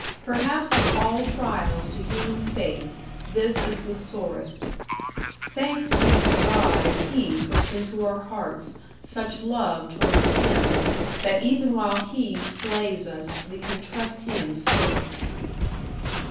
Perhaps of all trials to human faith this is the sorest. Thanks be to God if He puts into our hearts such love towards Him that even while He slays us we can trust Him still.